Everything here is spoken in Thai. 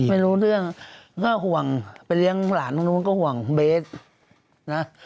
ไม่รู้เรื่องก็ห่วงไปเลี้ยงหลานตรงนู้นก็ห่วงเบสนะ